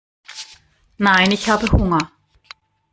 Nein, ich habe Hunger.